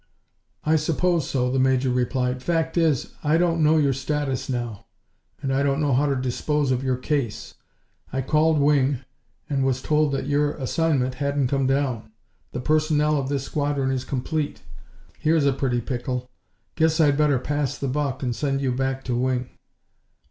"I suppose so," the Major replied. "Fact is, I don't know your status now, and I don't know how to dispose of your case. I called Wing and was told that your assignment hadn't come down. The personnel of this squadron is complete. Here's a pretty pickle! Guess I'd better pass the buck and send you back to Wing."